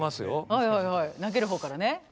はいはいはい投げる方からね。